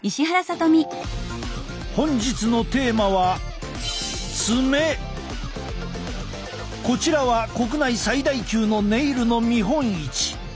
本日のテーマはこちらは国内最大級のネイルの見本市。